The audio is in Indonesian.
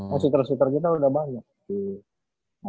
nah shooter shooter kita udah banyak sih